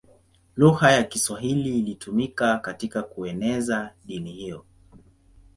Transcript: Lugha ya Kiswahili ilitumika katika kueneza dini hiyo.